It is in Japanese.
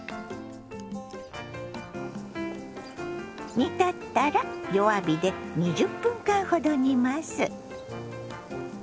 煮立ったら弱火で２０分間ほど煮ます。